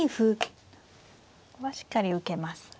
ここはしっかり受けますね。